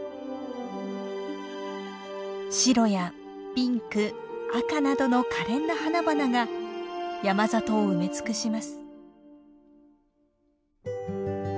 白やピンク赤などの可憐な花々が山里を埋め尽くします。